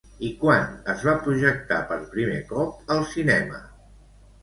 I quan es va projectar per primer cop al cinema?